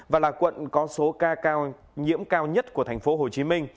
và là quận có số ca nhiễm cao nhất của tp hcm